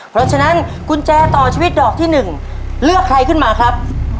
เพราะฉะนั้นกุญแจต่อชีวิตดอกที่๑เลือกใครขึ้นมาครับ